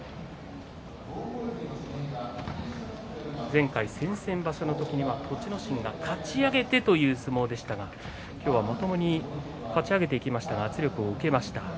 前回、先々場所の時には栃ノ心がかち上げてという相撲でしたが今日はまともにかち上げていきましたが圧力を受けました。